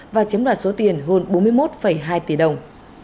và chiếm đoạt số tiền hơn bốn mươi một hai tỷ đồng